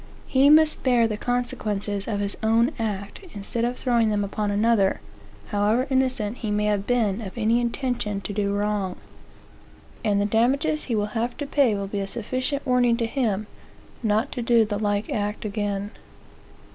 He must bear the consequences of his own act, instead of throwing them upon another, however innocent he may have been of any intention to do wrong. And the damages he will have to pay will be a sufficient warning to him not to do the like act again.